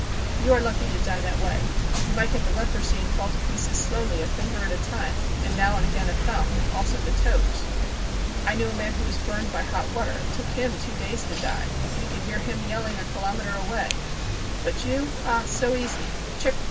You are lucky to die that way. You might get the leprosy and fall to pieces slowlv, a finger at a time, and now and again a thumb, also the toes. I knew a man who was burned by hot water. It took him two days to die. You could hear him yelling a kilometre away. But you .? Ah ! so easy ! Chck